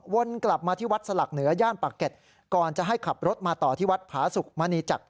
วนกลับมาที่วัดสลักเหนือย่านปากเก็ตก่อนจะให้ขับรถมาต่อที่วัดผาสุกมณีจักร